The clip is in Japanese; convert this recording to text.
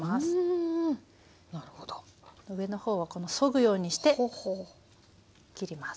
上の方はそぐようにして切ります。